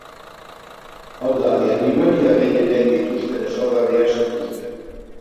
Hau da, animalia gehienek dituzten ezaugarriak zituzten.